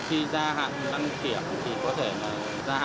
thì có thể ra hạn ở các app mình tặng về điện thoại